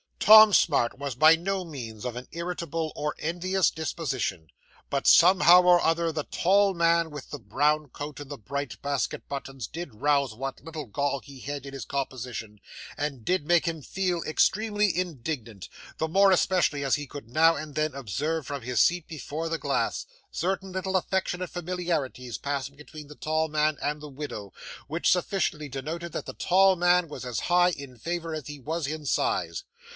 'Tom Smart was by no means of an irritable or envious disposition, but somehow or other the tall man with the brown coat and the bright basket buttons did rouse what little gall he had in his composition, and did make him feel extremely indignant, the more especially as he could now and then observe, from his seat before the glass, certain little affectionate familiarities passing between the tall man and the widow, which sufficiently denoted that the tall man was as high in favour as he was in size.